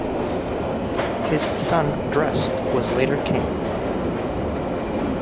His son Drest was later king.